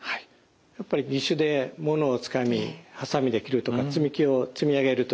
やっぱり義手でものをつかみはさみで切るとか積み木を積み上げると。